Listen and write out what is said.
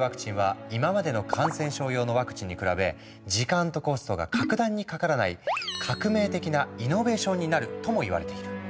ワクチンは今までの感染症用のワクチンに比べ時間とコストが格段にかからないになるともいわれている。